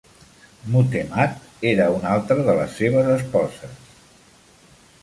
Mutemhat era una altra de les seves esposes.